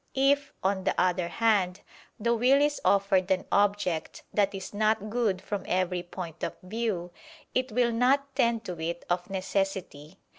If, on the other hand, the will is offered an object that is not good from every point of view, it will not tend to it of necessity.